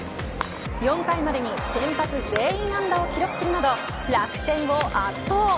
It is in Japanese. ４回までに先発全員安打を記録するなど楽天を圧倒。